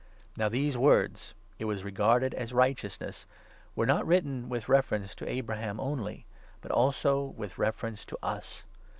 Now these words —' it was regarded as righteousness '— 23 were not written with reference to Abraham only, but also 24 with reference to us.